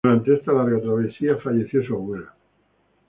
Durante esta larga travesía falleció su abuela.